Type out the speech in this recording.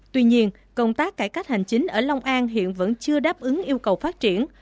tuy nhiên công tác cải cách hành chính ở long an hiện vẫn chưa đáp ứng yêu cầu phát triển